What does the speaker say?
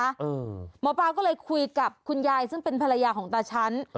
หมอปลาก็เลยคุยกับคุณยายซึ่งเป็นภรรยาของตาชั้น